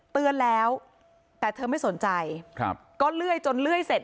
เตือนแล้วแต่เธอไม่สนใจครับก็เลื่อยจนเลื่อยเสร็จ